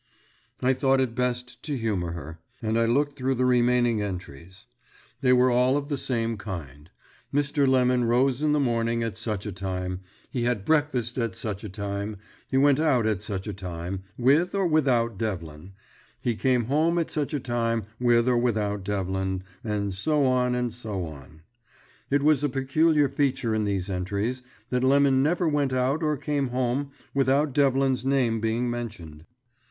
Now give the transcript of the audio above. I thought it best to humour her, and I looked through the remaining entries. They were all of the same kind. Mr. Lemon rose in the morning at such a time; he had breakfast at such a time; he went out at such a time, with or without Devlin; he came home at such a time, with or without Devlin; and so on, and so on. It was a peculiar feature in these entries that Lemon never went out or came home without Devlin's name being mentioned.